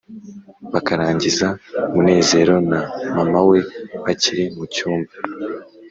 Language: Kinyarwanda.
bakarangiza Munezero na mama we bakiri mu cyumba.